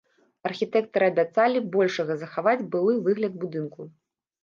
Архітэктары абяцалі большага захаваць былы выгляд будынку.